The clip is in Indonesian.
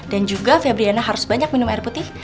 dan juga febri harus banyak minum air putih